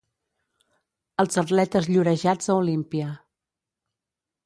Els atletes llorejats a Olímpia.